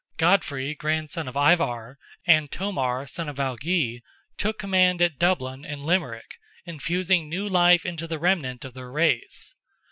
Godfrey, grandson of Ivar, and Tomar, son of Algi, took command at Dublin, and Limerick, infusing new life into the remnant of their race.